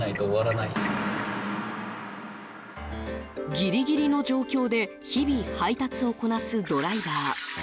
ギリギリの状況で日々、配達をこなすドライバー。